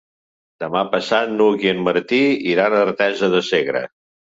Demà passat n'Hug i en Martí iran a Artesa de Segre.